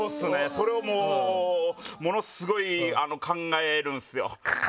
それをもう、ものすごい考えるんですよ。